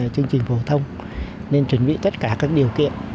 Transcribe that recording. chương trình phổ thông nên chuẩn bị tất cả các điều kiện